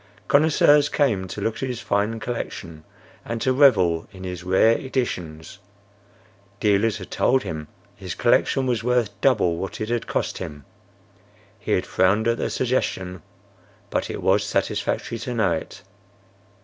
Connoisseurs came to look at his fine collection and to revel in his rare editions. Dealers had told him his collection was worth double what it had cost him. He had frowned at the suggestion; but it was satisfactory to know it.